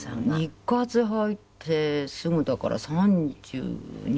日活入ってすぐだから３２３３かしら。